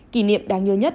kỷ niệm đáng nhớ nhất